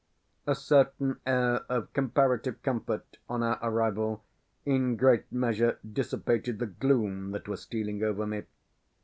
A certain air of comparative comfort, on our arrival, in great measure dissipated the gloom that was stealing over me.